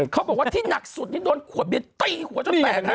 เขาบอกว่าที่หนักสุดที่โดนขวดเบียดต้องหัวช่องแปลงฮะเออ